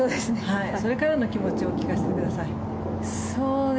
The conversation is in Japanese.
それからの気持ちを聞かせてください。